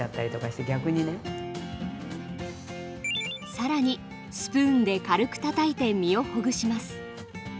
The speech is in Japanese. さらにスプーンで軽くたたいて身をほぐします。